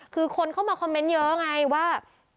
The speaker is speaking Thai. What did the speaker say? คือคนเข้ามาคอมเมนต์เยอะไงว่า